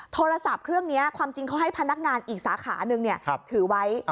โทรศัพท์เครื่องนี้ความจริงเขาให้พนักงานอีกสาขาหนึ่งถือไว้